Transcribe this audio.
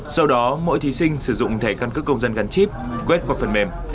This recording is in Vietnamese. sau đó mỗi thí sinh sử dụng thẻ căn cước công dân gắn chip quét qua phần mềm